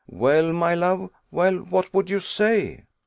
"Well, my love, well, what would you say?"